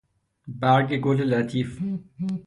برگ گل لطیف